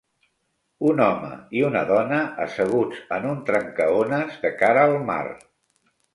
Un home i una dona asseguts en un trencaones de cara al mar.